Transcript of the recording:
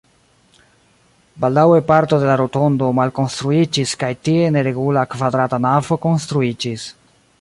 Baldaŭe parto de la rotondo malkonstruiĝis kaj tie neregula kvadrata navo konstruiĝis.